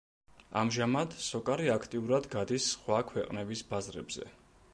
ამჟამად, „სოკარი“ აქტიურად გადის სხვა ქვეყნების ბაზრებზე.